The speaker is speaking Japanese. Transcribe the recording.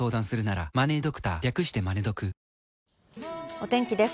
お天気です。